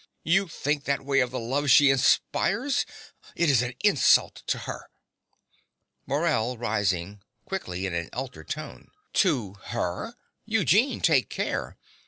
You think that way of the love she inspires! It is an insult to her! MORELL (rising; quickly, in an altered tone). To her! Eugene: take care.